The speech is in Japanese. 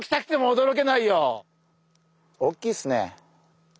大きいっすね。